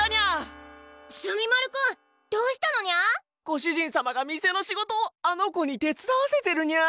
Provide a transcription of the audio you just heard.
ご主人様が店の仕事をあの子に手伝わせてるニャ！